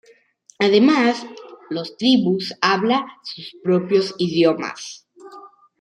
Además, los tribus habla sus propios idiomas.